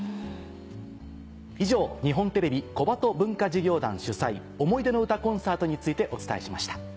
以上日本テレビ小鳩文化事業団主催「想いでの詩コンサート」についてお伝えしました。